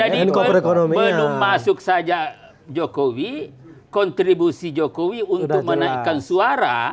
jadi belum masuk saja jokowi kontribusi jokowi untuk menaikkan suara